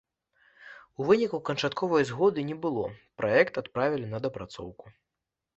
У выніку і канчатковай згоды не было, праект адправілі на дапрацоўку.